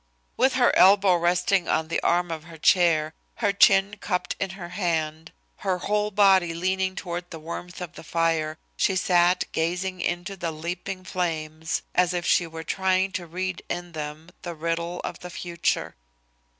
With her elbow resting on the arm of her chair, her chin cupped in her hand, her whole body leaning toward the warmth of the fire, she sat gazing into the leaping flames as if she were trying to read in them the riddle of the future.